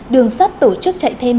đường sắt tổ chức chạy thêm